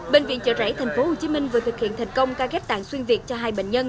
bệnh viện chợ rẫy tp hcm vừa thực hiện thành công ca ghép tạng xuyên việt cho hai bệnh nhân